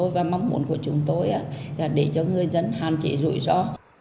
và mong muốn của chúng tôi là để cho người dân hàn chỉ rủi ro